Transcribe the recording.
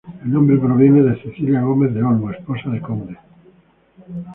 El nombre proviene de Cecilia Gómez del Olmo, esposa de Conde.